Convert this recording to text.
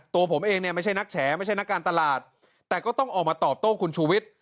ตัวผมเองเนี่ยไม่ใช่นักแฉไม่ใช่นักการตลาดแต่ก็ต้องออกมาตอบโต้คุณชูวิทย์